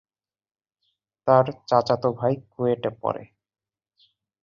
তার চাচাতো ভাই কুয়েটে পড়ে।